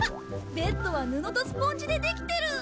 ベッドは布とスポンジでできてる。